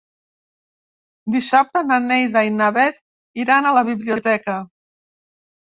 Dissabte na Neida i na Bet iran a la biblioteca.